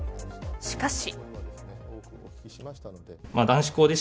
しかし。